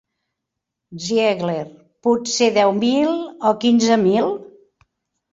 Ziegler: potser deu mil... o quinze mil?